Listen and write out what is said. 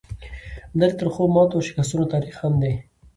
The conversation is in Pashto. دا د ترخو ماتو او شکستونو تاریخ هم دی.